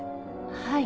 はい。